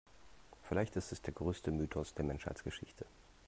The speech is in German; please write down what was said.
Vielleicht ist es der größte Mythos der Menschheitsgeschichte.